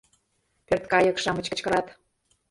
— пӧрткайык-шамыч кычкырат.